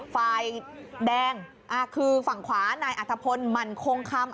ฝ่ายแดงคือฝั่งขวานายอัธพลหมั่นคงคำ